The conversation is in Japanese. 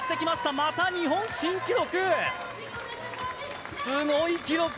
また日本新記録。